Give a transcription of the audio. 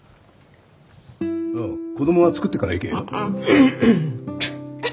ああ子供は作ってから行けよ。